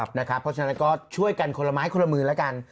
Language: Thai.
เพราะฉะนั้นก็ช่วยกันคนละไม้คนละมือแล้วกัน